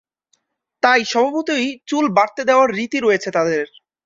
তাই স্বভাবতই চুল বাড়তে দেওয়ার রীতি রয়েছে তাদের।